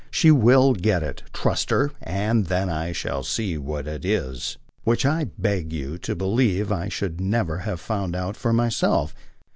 She WILL get it trust her; and then I shall see what it is; which I beg you to believe I should never have found out for myself."